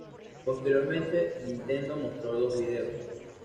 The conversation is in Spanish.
Posteriormente, Nintendo mostró dos vídeos.